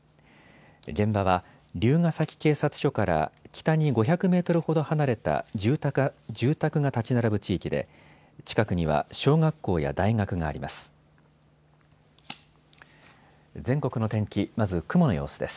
現場は竜ケ崎警察署から北に５００メートルほど離れた住宅が建ち並ぶ地域で近くには小学校や大学があります。